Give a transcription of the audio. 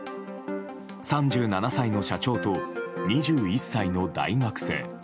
３７歳の社長と２１歳の大学生。